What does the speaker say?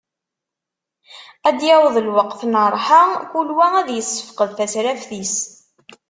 Ad d-yaweḍ lweqt n rrḥa, kul wa ad yessefqed tasraft-is.